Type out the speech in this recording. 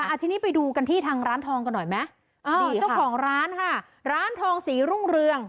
อาทิตย์ไปดูกันที่ทางร้านทองกันหน่อยไหมอ่านี่เจ้าของร้านค่ะร้านทองศรีรุ่งเรือง